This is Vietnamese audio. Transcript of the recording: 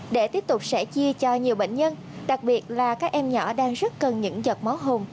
để tiếp tục sẽ chia cho nhiều bệnh nhân đặc biệt là các em nhỏ đang rất cần những giọt máu hồng